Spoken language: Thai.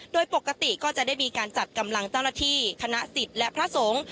โดยปกติก็จะได้มีการจัดกำลังเจ้าหน้าที่คณะสิทธิ์และพระสงฆ์